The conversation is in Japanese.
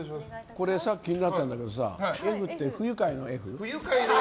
これさ、気になったんだけど「Ｆ」って不愉快の「Ｆ」？